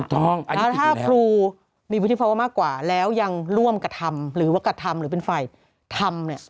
ถ้าครูมีวิธีภาวะมากกว่าแล้วยังร่วมกับธรรมหรือว่ากับธรรมหรือเป็นฝ่ายธรรมเนี่ย